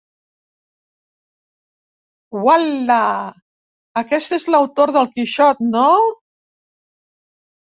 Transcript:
Ual·la, aquest és l'autor del Quixot, no?